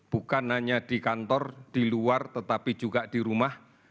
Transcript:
bukan hanya di kantor di luar tetapi juga di rumah